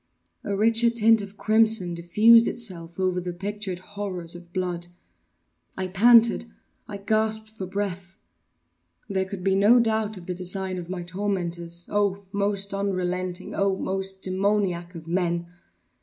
A richer tint of crimson diffused itself over the pictured horrors of blood. I panted! I gasped for breath! There could be no doubt of the design of my tormentors—oh! most unrelenting! oh! most demoniac of men!